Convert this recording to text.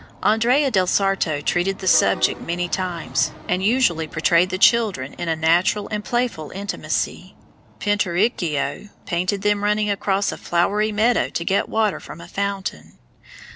Andrea del Sarto treated the subject many times, and usually portrayed the children in a natural and playful intimacy. Pinturicchio painted them running across a flowery meadow to get water from a fountain.